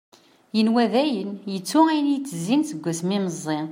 Yenwa dayen yettu ayen i yettezzin seg wasmi meẓẓi;